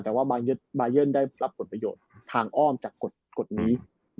หมายความว่ามายเยิ้นได้รับประโยชน์ทางอ้อมจากกฎนี้